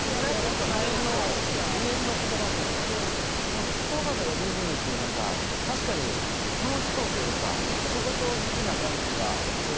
何かスタバとかディズニーっていう何か確かに楽しそうというか仕事好きな感じがする。